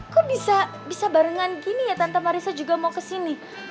kok bisa barengan gini ya tante marisa juga mau kesini